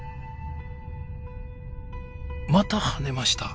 また跳ねました！